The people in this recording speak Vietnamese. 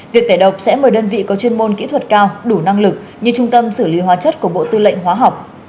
việc tẩy độc sẽ mời đơn vị có chuyên môn kỹ thuật cao đủ năng lực như trung tâm xử lý hóa chất của bộ tư lệnh hóa học